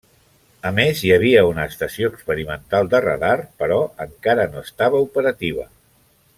A més, hi havia una estació experimental de radar, però encara no estava operativa.